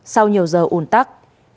sau nhiều giờ ủn tắc